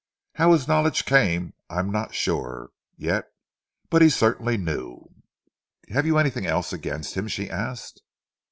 "How his knowledge came I am not sure yet. But he certainly knew." "Have you anything else against him?" she asked.